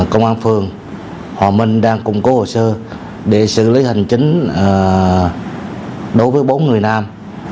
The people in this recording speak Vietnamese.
công an phường hòa minh đang củng cố hồ sơ để xử lý hành chính đối với bốn người nam